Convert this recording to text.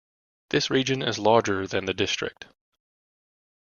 This region is larger than the district.